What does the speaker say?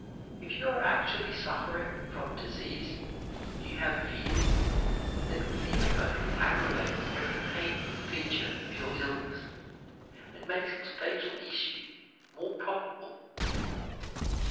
If you are actually suffering from a disease you have feared, then fear only aggravates every painful feature of your illness and makes its fatal issue more probable.